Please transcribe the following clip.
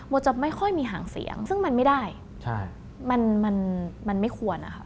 โมจะไม่ค่อยมีห่างเสียงซึ่งมันไม่ได้มันไม่ควร